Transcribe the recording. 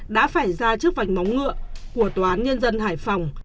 đã phải ra trước vạch móng ngựa của tòa án nhân dân hải phòng